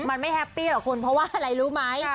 มันไม่แฮปปี้หรอกคุณเพราะว่าอะไรรู้ไหม